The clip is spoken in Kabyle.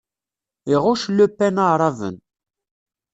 Iɣuc Le Pen Aɛraben.